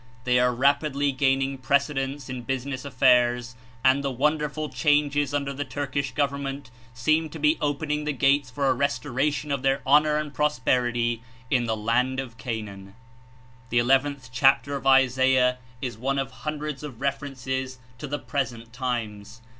They are rapidly gaining precedence In business affairs, and the won derful changes under the Turkish Gov^ernment seem to be opening the gates for a restoration of their honor and prosperity In the Land of Canaan. The nth Chapter of Isaiah Is one of hundreds of references to the present times.